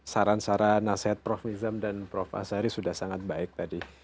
saran saran nasihat prof nizam dan prof asari sudah sangat baik tadi